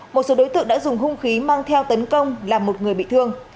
một số đối tượng đã dùng hung khí mang theo tấn công làm một người bị thương